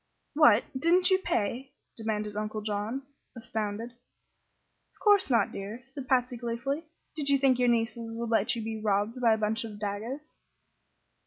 "What! didn't you pay?" demanded Uncle John, astounded. "Of course not, dear," said Patsy, gleefully. "Did you think your nieces would let you be robbed by a bunch of dagoes?"